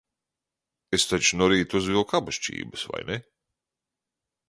Es taču no rīta uzvilku abas čības, vai ne?